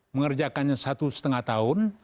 mengerjakannya satu setengah tahun